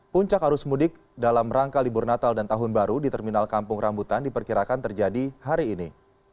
puncak arus mudik dalam rangka libur natal dan tahun baru di terminal kampung rambutan diperkirakan terjadi hari ini